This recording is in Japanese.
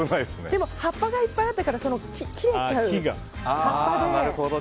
でも葉っぱがいっぱいあったからなるほど。